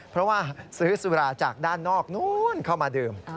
เพราะว่าซื้อสุราจากด้านนอกนู้นเข้ามาดื่ม